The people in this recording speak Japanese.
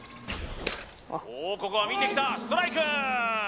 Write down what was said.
おおここは見てきたストライク！